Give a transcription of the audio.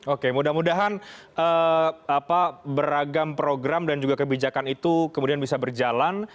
oke mudah mudahan beragam program dan juga kebijakan itu kemudian bisa berjalan